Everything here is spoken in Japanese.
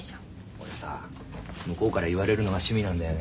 俺さ向こうから言われるのが趣味なんだよね。